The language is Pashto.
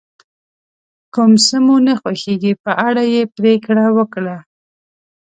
کوم څه مو نه خوښیږي په اړه یې پرېکړه وکړه.